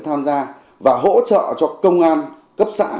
tham gia và hỗ trợ cho công an cấp xã